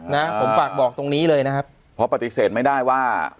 นะผมฝากบอกตรงนี้เลยนะครับเพราะปฏิเสธไม่ได้ว่า